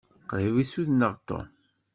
Qṛib i ssudneɣ Tom.